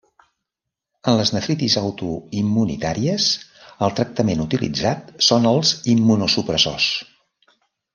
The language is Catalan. En les nefritis autoimmunitàries, el tractament utilitzat són els immunosupressors.